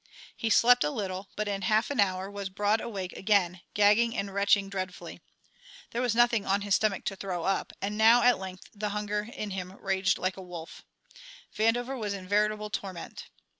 He slept a little, but in half an hour was broad awake again, gagging and retching dreadfully. There was nothing on his stomach to throw up, and now at length the hunger in him raged like a wolf. Vandover was in veritable torment.